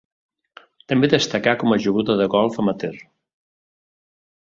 També destacà com a jugador de golf amateur.